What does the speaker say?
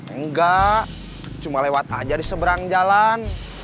enggak cuma lewat aja di seberang jalan